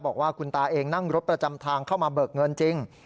บอกว่าคุณตาเองนั่งรถประจำทางเข้ามาเบิกเงินจริง